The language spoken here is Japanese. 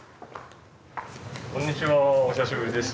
こんにちはお久しぶりです。